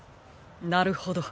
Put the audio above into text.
なるほど。